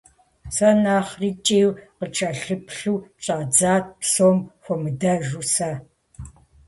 Дэ нэхъри ткӀийуэ къыткӀэлъыплъу щӀадзат, псом хуэмыдэжу сэ.